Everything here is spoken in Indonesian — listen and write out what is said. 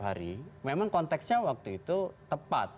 hari memang konteksnya waktu itu tepat